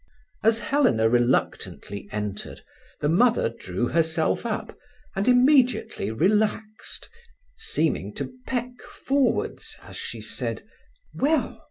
As Helena reluctantly entered the mother drew herself up, and immediately relaxed, seeming to peck forwards as she said: "Well?"